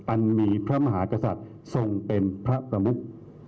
อันมีพระมหากษัตริย์ทรงเป็นพระประมุก